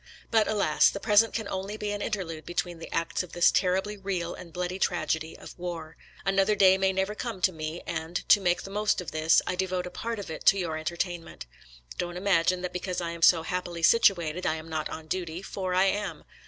But alas! the present can only be an interlude between the acts of this terribly real and bloody tragedy of war. Another day may never come to me, and, to make the most of this, I devote a part of it to your entertainment. Don't imagine that because I am so happily situated I am not on duty; for I am.